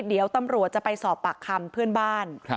เดี๋ยวตำรวจจะไปสอบปากคำเพื่อนบ้าน